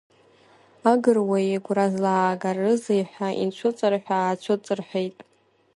Агыруа игәра злаагарызеи ҳәа инцәыҵарҳәа-аацәыҵарҳәеит.